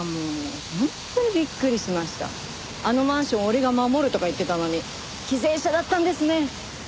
あのマンション俺が守るとか言ってたのに偽善者だったんですね。